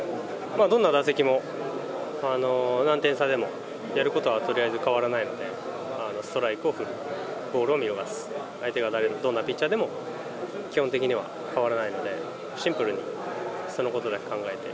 どんな打席も、何点差でも、やることはとりあえず変わらないので、ストライクを振る、ボールを見逃す、相手がどんなピッチャーでも基本的には変わらないので、シンプルにそのことだけ考えて。